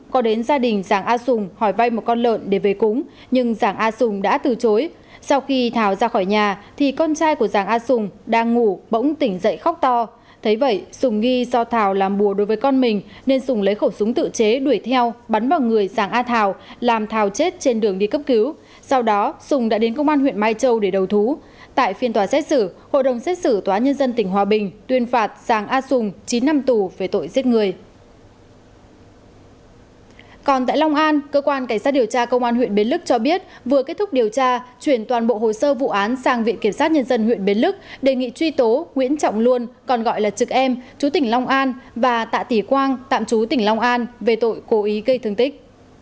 công an cơ quan cảnh sát điều tra công an huyện bến lức cho biết vừa kết thúc điều tra chuyển toàn bộ hồ sơ vụ án sang viện kiểm sát nhân dân huyện bến lức đề nghị truy tố nguyễn trọng luân còn gọi là trực em chú tỉnh long an và tạ tỉ quang tạm chú tỉnh long an về tội cố ý gây thương tích